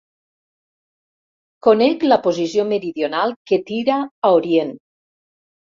Conec la posició meridional que tira a orient.